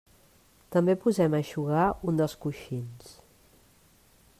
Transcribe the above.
També posem a eixugar un dels coixins.